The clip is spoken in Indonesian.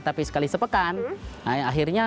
tapi sekali sepekan akhirnya